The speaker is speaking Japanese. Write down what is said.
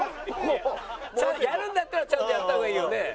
やるんだったらちゃんとやった方がいいよね？